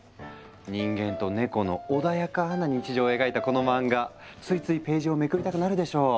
人間とネコの穏やかな日常を描いたこの漫画ついついページをめくりたくなるでしょう？